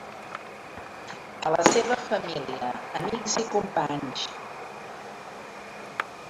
A la seva família, amics i companys.